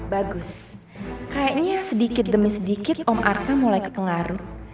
bagus kayaknya sedikit demi sedikit om art mulai kepengaruh